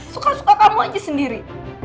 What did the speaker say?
suka suka kamu aja sendiri